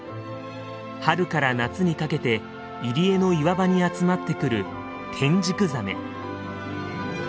春から夏にかけて入り江の岩場に集まってくるテンジクザメ。